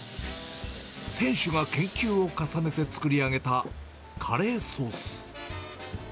店主が研究を重ねて作り上げたカレーソース。